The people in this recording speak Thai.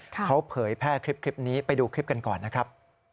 เขาเผยแพร่คลิปนี้ไปดูคลิปกันก่อนนะครับ